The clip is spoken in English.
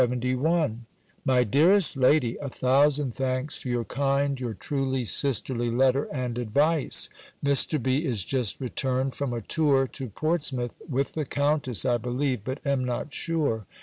LETTER LXXI MY DEAREST LADY, A thousand thanks for your kind, your truly sisterly letter and advice. Mr. B. is just returned from a tour to Portsmouth, with the Countess, I believe, but am not sure.